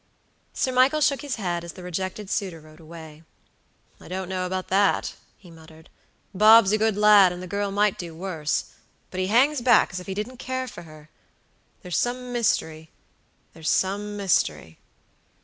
Sir Michael shook his head as the rejected suitor rode away. "I don't know about that," he muttered. "Bob's a good lad, and the girl might do worse; but he hangs back as if he didn't care for her. There's some mysterythere's some mystery!"